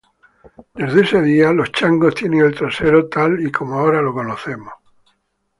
Desde ese día, los changos tienen el trasero tal y como ahora lo conocemos.